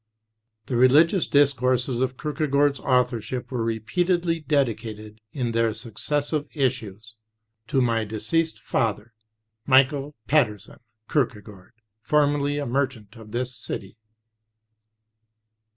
The religious discourses of Kierkegaard's authorship were repeatedly dedicated in their successive issues to "my deceased father, Michael Pedersen Kierkegaard, formerly a merchant of this city."